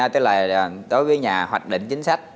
tức là đối với nhà hoạch định chính sách